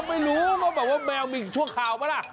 ไม่ไม่รู้เขาบอกว่าแมวมีชั่วคราวหรือเปล่า